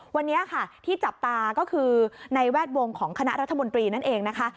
วันนี้ค่ะที่จับตาก็คือในแวดวงของคณะรัฐมนตรีนั่นเองนะคะ